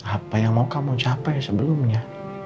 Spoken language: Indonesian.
apa yang mau kamu capai sebelumnya